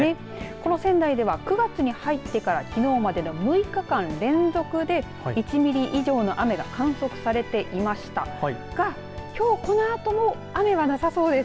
この仙台では９月に入ってからきのうまでの６日間連続で１ミリ以上の雨が観測されていましたがきょう、このあとも雨はなさそうです。